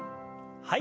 はい。